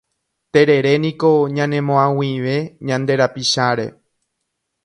Tereréniko ñanemo'ag̃uive ñande rapicháre.